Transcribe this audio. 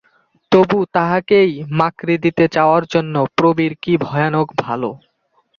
তবু তাহাকেই মাকড়ি দিতে চাওয়ার জন্য প্রবীর কী ভয়ানক ভালো।